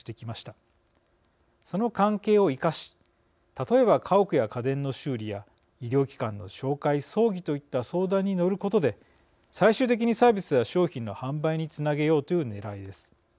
その関係を生かし例えば家屋や家電の修理や医療機関の紹介葬儀といった相談に乗ることで最終的にサービスや商品の販売につなげようというねらいです。